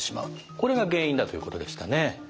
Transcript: これが原因だということでしたね。